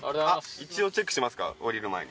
一応チェックしますか降りる前に。